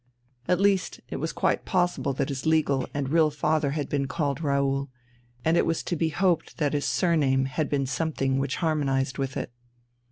At least it was quite possible that his legal and real father had been called Raoul, and it was to be hoped that his surname had been something which harmonized with it.